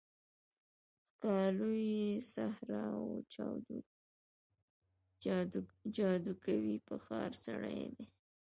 ښکالو یې سحراوجادوکوي په ښار، سړی دی